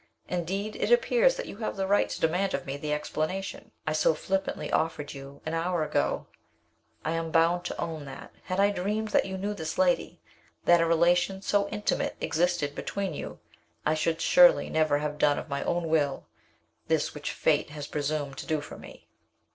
Indeed, it appears that you have the right to demand of me the explanation I so flippantly offered you an hour ago. I am bound to own that, had I dreamed that you knew this lady that a relation so intimate existed between you I should surely never have done of my own will this which Fate has presumed to do for me.